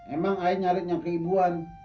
emang aja nyarit yang keibuan